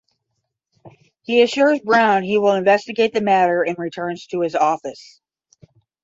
He assures Browne he will investigate the matter and returns to his office.